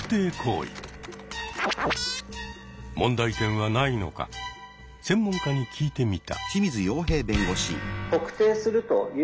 問題点はないのか専門家に聞いてみた。